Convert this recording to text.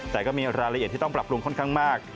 แต่ก็มีรายละเอียดที่ต้องปรับปรุงค่อนข้างมาก